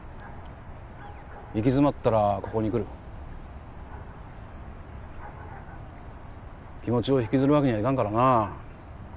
行き詰まったらここに来る気持ちを引きずるわけにはいかんからな